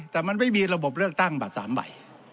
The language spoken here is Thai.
แต่มันไม่มีระบบเลือกตั้งบัตร๓ใบ